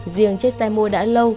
riêng chiếc xe mua đã lâu